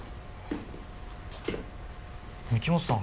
御木本さん。